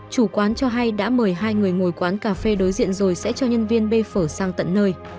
chủ quán cho hay đã mời hai người ngồi quán cà phê đối diện rồi sẽ cho nhân viên b phở sang tận nơi